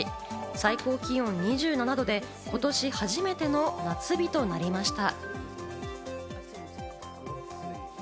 最高気温２７度で今年初めての夏日となりました。